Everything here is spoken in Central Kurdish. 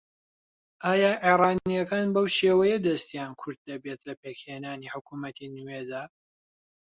ئایا ئێرانییەکان بەو شێوەیە دەستیان کورت دەبێت لە پێکهێنانی حکوومەتی نوێدا؟